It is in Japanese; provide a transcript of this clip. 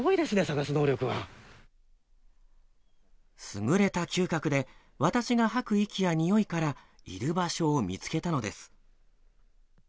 優れた嗅覚で私が吐く息やにおいからいる場所を見つけたのです。